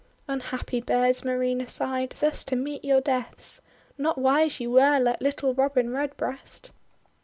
"Unhappy birds!' Marina sighed, "thus to meet your deaths! Not wise you were, like little Robin Redbreast